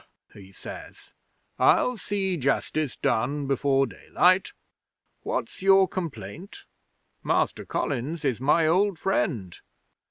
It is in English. he says. "I'll see justice done before daylight. What's your complaint? Master Collins is my old friend."